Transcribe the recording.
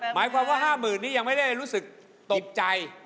หมายความว่า๕๐๐๐นี่ยังไม่ได้รู้สึกตกใจ